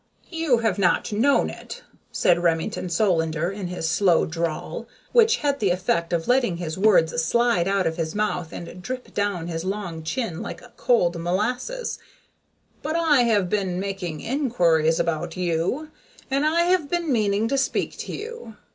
"You have not known it," said Remington Solander in his slow drawl, which had the effect of letting his words slide out of his mouth and drip down his long chin like cold molasses, "but I have been making inquiries about you, and I have been meaning to speak to you.